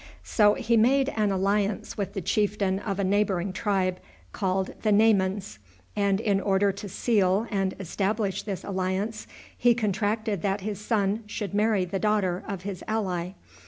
So he made an alliance with the chieftain of a neighboring tribe, called the Naymans; and, in order to seal and establish this alliance, he contracted that his son should marry the daughter of his ally.